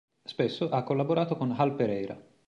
Spesso ha collaborato con Hal Pereira.